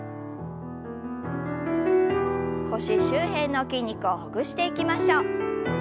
腰周辺の筋肉をほぐしていきましょう。